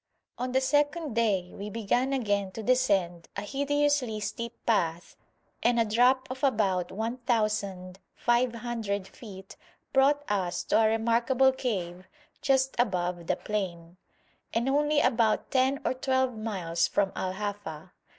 On the second day we began again to descend a hideously steep path, and a drop of about 1,500 feet brought us to a remarkable cave just above the plain, and only about ten or twelve miles from Al Hafa.